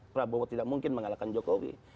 prabowo tidak mungkin mengalahkan jokowi